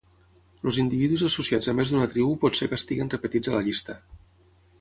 Els individus associats a més d'una tribu pot ser que estiguin repetits a la llista.